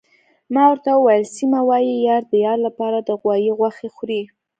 ما ورته وویل: سیمه، وايي یار د یار لپاره د غوايي غوښې خوري.